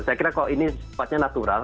saya kira kalau ini sepatnya natural